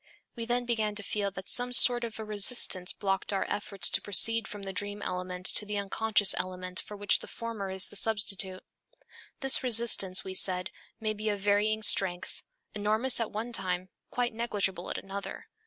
We then began to feel that some sort of a resistance blocked our efforts to proceed from the dream element to the unconscious element for which the former is the substitute. This resistance, we said, may be of varying strength, enormous at one time, quite negligible at another.